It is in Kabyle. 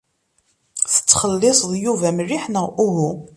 Tettxelliṣeḍ Yuba mliḥ, neɣ uhu?